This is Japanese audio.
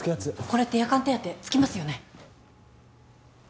これって夜間手当つきますよね？